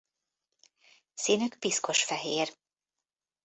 Színük piszkosfehér.